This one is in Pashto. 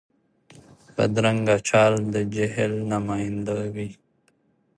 بدرنګه چال د جهل نماینده وي